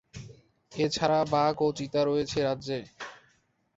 এছাড়া বাঘ ও চিতা রয়েছে রাজ্যে।